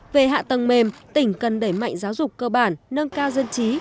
về hạ tầng mềm tỉnh cần đẩy mạnh giáo dục cơ bản nâng cao dân trí